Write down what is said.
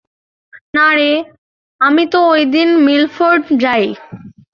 না রে, আমি তো ঐদিন মিলফোর্ড যাই।